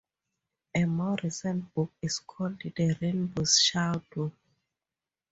A more recent book is called 'The Rainbow's Shadow'.